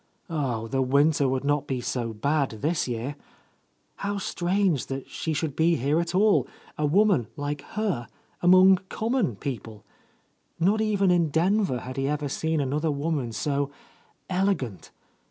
Oh, the winter would not be so bad, this year ! How strange that she should be here at all, a woman like her aniong common people 1 Not even in Denver had he ever seen another woman so elegant.